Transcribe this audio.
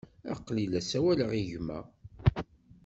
Aql-i la sawaleɣ i gma.